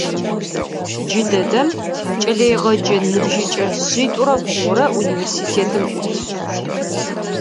Джыдэдэм кӏэлэегъэджэ ныбжьыкӏэ шъитӏурэ бгъурэ университетым ӏут.